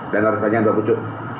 dan laras panjang dua pucu